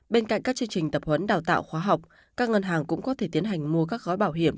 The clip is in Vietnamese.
bên cạnh các chương trình tập huấn đào tạo khóa học các ngân hàng cũng có thể tiến hành mua các gói bảo hiểm